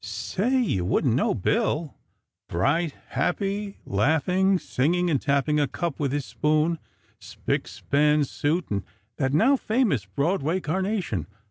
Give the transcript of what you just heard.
Say! You wouldn't know Bill! Bright, happy, laughing, singing, and tapping a cup with his spoon; spick span suit, and that now famous "Broadway carnation."